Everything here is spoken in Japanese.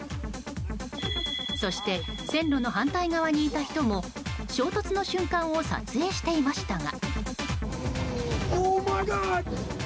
そして線路の反対側にいた人も衝突の瞬間を撮影していましたが。